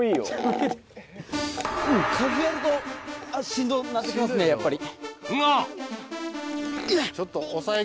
数やるとしんどなってきますねやっぱり。